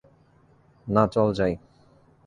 না চল যাই।